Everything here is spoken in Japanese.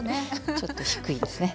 ちょっと低いですね。